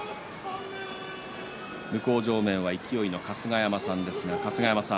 向正面は勢の春日山さんです。